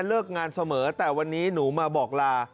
เลิกงานเสมอแต่วันนี้หนูมาบอกลา